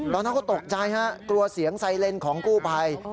ตอนนั้นเขาตกใจฮะกลัวเสียงไซเลนของกู้ภัย